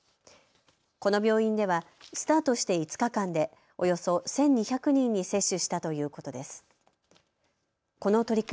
この病院ではスタートして５日間で、およそ１２００人に接種したということです。